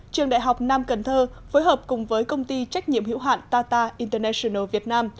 trường đại học nam cần thơ phối hợp cùng với công ty trách nhiệm hữu hạn tata international việt nam